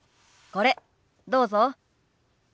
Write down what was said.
これどうぞ。